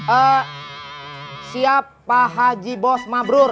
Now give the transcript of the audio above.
eh siap pak haji bos mabrur